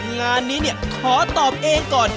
งานนี้เนี่ยขอตอบเองก่อน